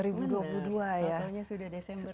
tahu tahu sudah desember